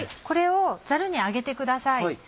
これをザルに上げてください。